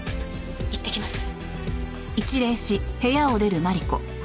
行ってきます。